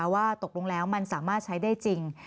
ว่าตกลงแล้วมันสามารถใช้ได้จริง